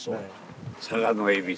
佐賀の恵比須。